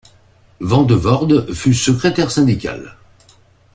Van De Voorde fut secrétaire syndical.